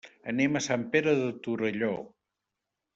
Anem a Sant Pere de Torelló.